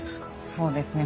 そうですね。